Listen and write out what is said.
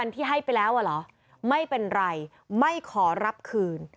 ที่ให้ไปแล้วอ่ะเหรอไม่เป็นไรไม่ขอรับคืน